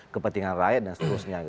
kepentingan rakyat dan seterusnya